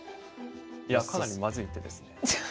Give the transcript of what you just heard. いやかなりまずい手ですね。